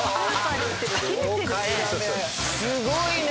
すごいね！